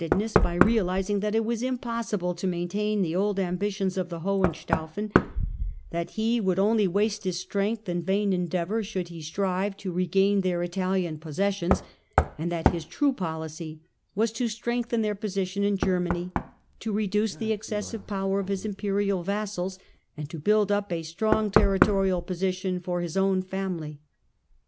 policy edness by realising that it was impossible to maintain the old ambitions of the Hohenstaufen, that he would GERMANY AND THE EMPIRE, 1273 1378 9 only waste his strength in vain endeavour should he strive to regain their ItaHan possessions, and that his true poHcy was to strengthen his position in Germany, to reduce the excessive power of his Imperial vassals, and to build up a strong territorial position for his own family.